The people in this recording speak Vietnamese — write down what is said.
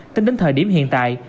tính đến thời điểm hiện tại